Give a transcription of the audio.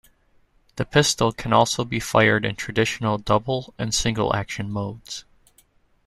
The pistol can also be fired in traditional double and single-action modes.